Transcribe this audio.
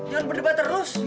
jangan berdebat terus